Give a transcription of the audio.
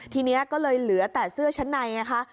ทีนี้ก็เลยเหลือแต่เสื้อชั้นในไงคะ